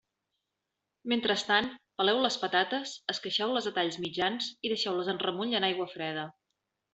Mentrestant peleu les patates, esqueixeu-les a talls mitjans i deixeu-les en remull en aigua freda.